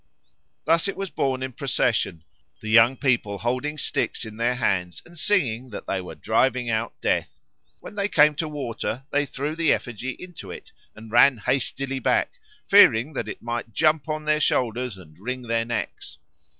Thus it was borne in procession, the young people holding sticks in their hands and singing that they were driving out Death. When they came to water they threw the effigy into it and ran hastily back, fearing that it might jump on their shoulders and wring their necks.